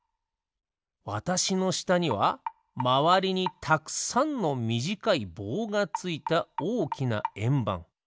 わたしのしたにはまわりにたくさんのみじかいぼうがついたおおきなえんばん。